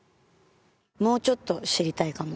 もうちょっと知りたいかも。